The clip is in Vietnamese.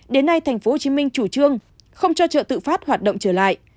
đến nay tp hcm chủ trương không cho chợ tự phát hoạt động trở lại